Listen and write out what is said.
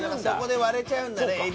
そこで割れちゃうんだね